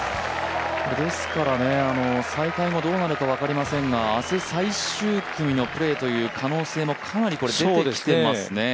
再開後どうなるか分かりませんが、明日最終組という可能性も出てきていますね。